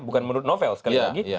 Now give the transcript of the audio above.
bukan menurut novel sekali lagi